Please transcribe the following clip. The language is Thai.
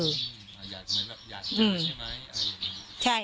อยากเจอใช่ไหม